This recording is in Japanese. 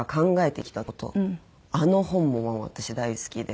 あの本ももう私大好きで。